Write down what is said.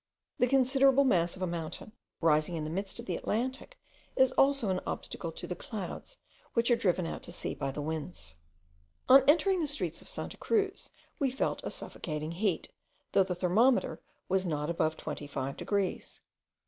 The considerable mass of a mountain, rising in the midst of the Atlantic, is also an obstacle to the clouds, which are driven out to sea by the winds. On entering the streets of Santa Cruz, we felt a suffocating heat, though the thermometer was not above twenty five degrees.